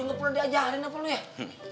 enggak perlu diajarin apa lu ya